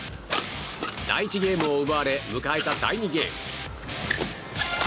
第１ゲームを奪われ迎えた第２ゲーム。